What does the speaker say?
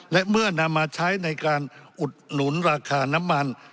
และเมื่อนำมาใช้ในการอุดหนุนราคาน้ำมัน